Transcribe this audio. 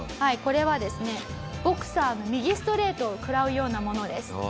これはですねボクサーの右ストレートを食らうようなものです。